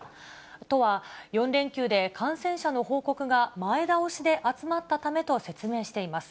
都は４連休で感染者の報告が前倒しで集まったためと説明しています。